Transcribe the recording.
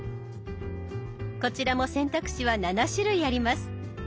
こちらも選択肢は７種類あります。